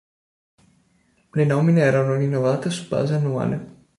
Le nomine erano rinnovate su base annuale.